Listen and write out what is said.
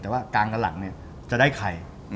แต่ว่ากลางกันหลังจะได้ใคร